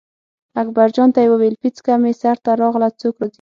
اکبرجان ته یې وویل پیڅکه مې سر ته راغله څوک راځي.